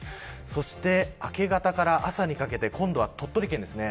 そして明け方から朝にかけて今度は鳥取県です。